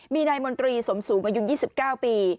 มีนายมนตรีสมสูจน์กว่ายุ่ง๒๙ปี